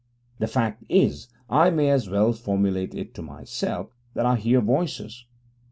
The fact is (I may as well formulate it to myself) that I hear voices.